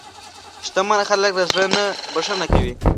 شتمن خلک له زړه نه بښنه کوي.